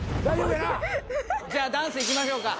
じゃあダンスいきましょうか。